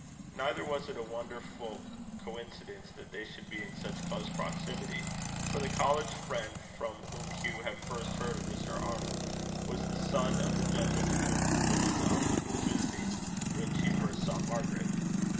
Neither was it a wonderful coincidence that they should be in such close proximity; for the college friend from whom Hugh had first heard of Mr. Arnold, was the son of the gentleman whom Mrs. Elton was visiting, when she first saw Margaret.